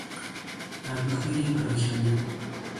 ابرهای پراکنده